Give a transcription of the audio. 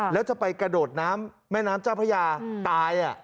แล้วจะไปกระโดดน้ำแม่น้ำเจ้าพระยาตาย